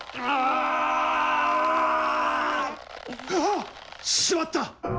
あっ！しまった！